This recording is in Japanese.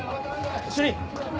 主任！